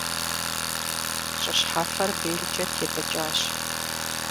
ЩӀы щхьэфэр белкӀэ тетӀыкӀащ.